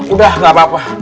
udah gak apa apa